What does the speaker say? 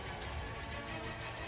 dengan jarak efektif dua ribu meter